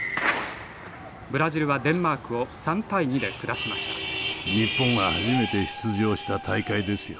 ブラジルはデンマークを３対２で下しました日本が初めて出場した大会ですよ。